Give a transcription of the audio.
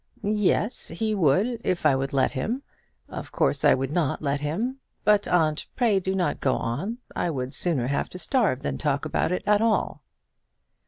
"Yes, he would if I would let him; of course I would not let him. But, aunt, pray do not go on. I would sooner have to starve than talk about it at all."